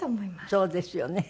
そうですよね。